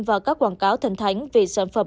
vào các quảng cáo thần thánh về sản phẩm